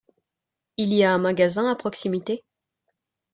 Il y a un magasin à proximité ?